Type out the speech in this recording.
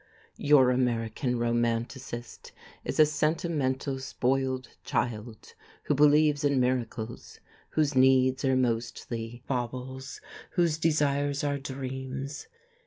Your American romanticist is a sentimental spoiled child who believes in miracles, whose needs are mostly baubles, whose desires are dreams.